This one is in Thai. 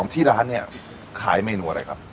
ที่ร้านเนี่ยขายเมนูอะไรครับ